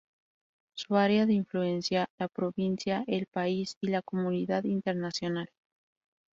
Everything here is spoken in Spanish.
Su área de influencia: la provincia, el país y la comunidad internacional.